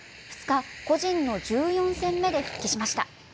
２日、個人の１４戦目で復帰しました。